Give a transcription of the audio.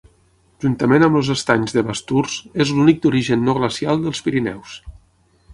Juntament amb els estanys de Basturs és l'únic d'origen no glacial dels Pirineus.